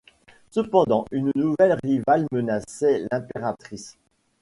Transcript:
Cependant, une nouvelle rivale menaçait l'impératrice.